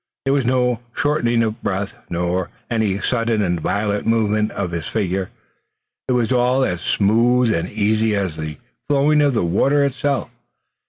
There was no shortening of the breath nor any sudden and violent movement of his figure. It was all as smooth and easy as the flowing of the water itself.